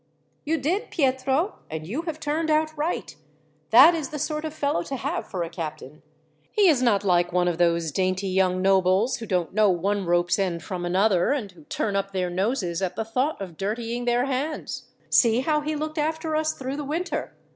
"You did, Pietro, and you have turned out right. That is the sort of fellow to have for a captain. He is not like one of those dainty young nobles, who don't know one rope's end from another, and who turn up their noses at the thought of dirtying their hands. See how he looked after us through the winter.